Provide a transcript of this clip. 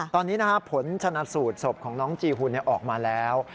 ตอนนี้ผลชนะสูตรศพของน้องจีหุ่นออกมาแล้ว